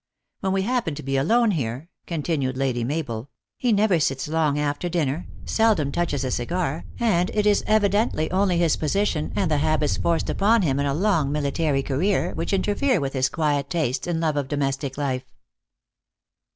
When we happen to be alone here," continued Lady Mabel, " he never sits long after dinner,* seldom touches a cigar, and it is evidently only his position, and the habits forced upon him in a long military career, which interfere with his quiet tastes and love of domestic life."